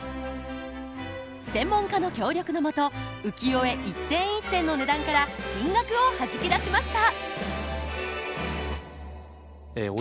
専門家の協力の下浮世絵一点一点の値段から金額をはじき出しました！